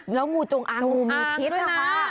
แล้วงูจงอ่างด้วยนะคะ